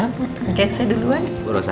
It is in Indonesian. oke saya duluan